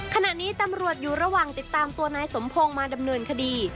ขณะนี้ตำรวจอยู่ระหว่างติดตามตัวนายสมพงศ์มาดำเนินคดี